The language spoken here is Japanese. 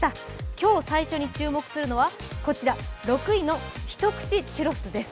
今日最初に注目するのは６位のひとくちチュロスです。